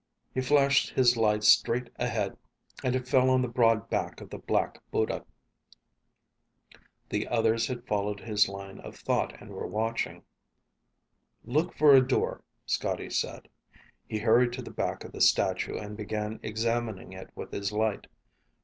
He flashed his light straight ahead, and it fell on the broad back of the Black Buddha. The others had followed his line of thought and were watching. "Look for a door," Scotty said. He hurried to the back of the statue and began examining it with his light.